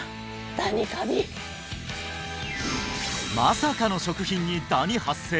ダニカビまさかの食品にダニ発生！？